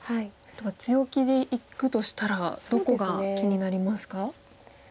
強気でいくとしたらどこが気になりますか？